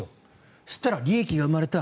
そしたら利益が生まれた。